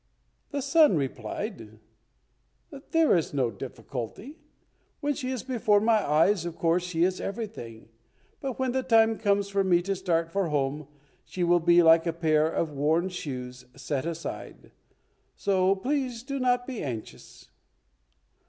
The son replied, "There is no difficulty; when she is before my eyes, of course she is everything, but when the time comes for me to start for home she will be like a pair of worn shoes, set aside; so please do not be anxious."